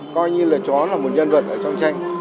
coi như là chó là một nhân vật ở trong tranh